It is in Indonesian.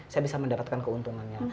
saya bisa mendapatkan keuntungannya